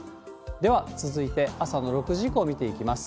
では続いて、朝の６時以降見ていきます。